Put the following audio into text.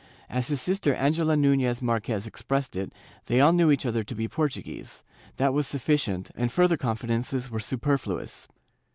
As his sister Angela Nunez Marques expressed it, they all knew each other to be Portuguese; that was sufficient, and further confidences were superfluous.